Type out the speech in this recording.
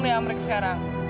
dia pulang dari amrik sekarang